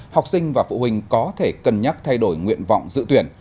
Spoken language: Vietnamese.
học sinh và phụ huynh có thể cân nhắc thay đổi nguyện vọng dự tuyển